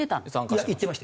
行ってましたよ。